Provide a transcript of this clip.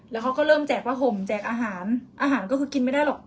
แล้วเขาก็เริ่มแจกผ้าห่มแจกอาหารอาหารก็คือกินไม่ได้หรอก